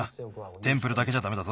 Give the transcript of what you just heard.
テンプルだけじゃダメだぞ。